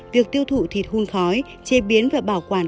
việc tiêu thụ thịt hôn khói chế biến và bảo quản